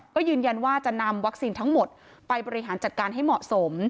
ก็ยืนยันว่าจะนำวัคซีนทั้งหมดไปบริหารจัดการให้เหมาะสม